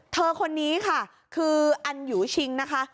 คนนี้ค่ะคืออันยูชิงนะคะ